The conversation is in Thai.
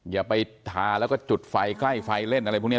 อย่าไปทาแล้วก็จุดไฟใกล้ไฟเล่นอะไรพวกนี้